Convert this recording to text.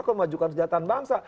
kalau memajukan kesejahteraan bangsa